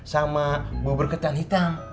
sama bubur ketan hitam